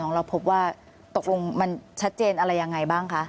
เราพบว่าตกลงมันชัดเจนอะไรยังไงบ้างคะ